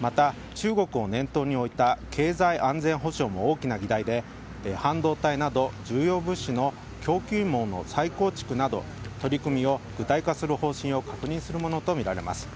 また、中国を念頭に置いた経済安全保障も大きな議題で、半導体など重要物資の供給網の再構築など取り組みを具体化する方針を確認するものとみられます。